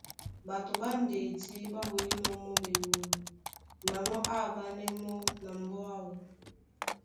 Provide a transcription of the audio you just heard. Ɓato ɓá ndedí ɓá ɓolínɔ̄ mɔ́ ɓewolo na mɔ́ á aɓánɛ́ mɔ́ na mbɔ́ áō.